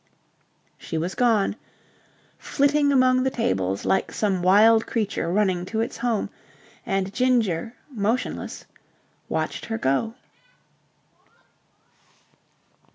She was gone, flitting among the tables like some wild creature running to its home: and Ginger, motionless, watched her go.